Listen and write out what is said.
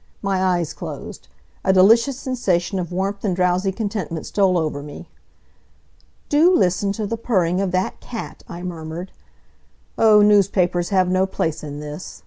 My eyes closed. A delicious sensation of warmth and drowsy contentment stole over me. "Do listen to the purring of that cat!" I murmured. "Oh, newspapers have no place in this.